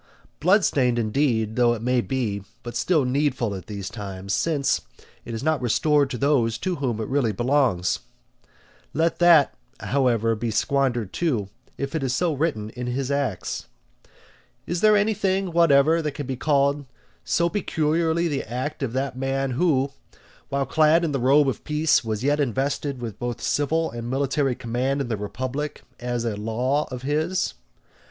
Bloodstained, indeed, it may be, but still needful at these times, since it is not restored to those to whom it really belongs. Let that, however, be squandered too, if it is so written in his acts. Is there anything whatever that can be called so peculiarly the act of that man who, while clad in the robe of peace, was yet invested with both civil and military command in the republic, as a law of his?